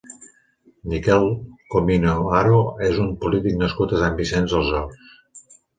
Miguel Comino Haro és un polític nascut a Sant Vicenç dels Horts.